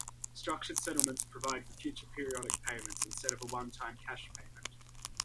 Structured settlements provide for future periodic payments, instead of a one time cash payment.